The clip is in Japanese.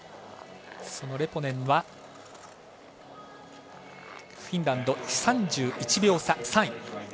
レポネンはフィンランド３１秒差、３位。